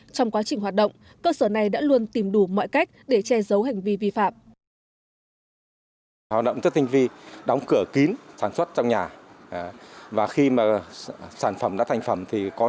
trong quá trình hoạt động cơ sở này đã luôn tìm đủ mọi cách để che giấu hành vi vi phạm